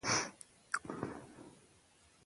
سیاسي اختلاف د تنوع نښه ده